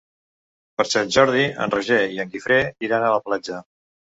Per Sant Jordi en Roger i en Guifré iran a la platja.